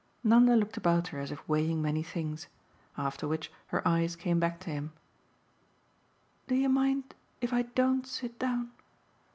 Nanda looked about her as if weighing many things; after which her eyes came back to him. "Do you mind if I don't sit down?"